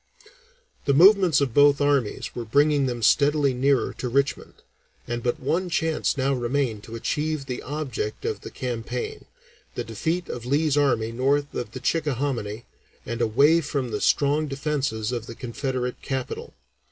The movements of both armies were bringing them steadily nearer to Richmond, and but one chance now remained to achieve the object of the campaign, the defeat of Lee's army north of the Chickahominy and away from the strong defences of the Confederate capital.